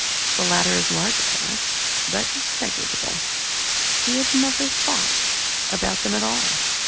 The latter as a large class, but negligible he had never thought about them at all.